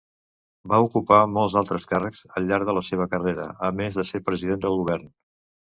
Va ocupar molts altres càrrecs al llarg de la seva carrera, a més de ser president del govern.